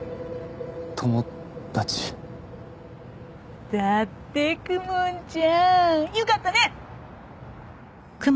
ともだちだって公文ちゃんよかったね！